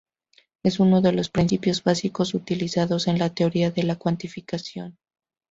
Es uno de los principios básicos utilizados en la teoría de la cuantificación.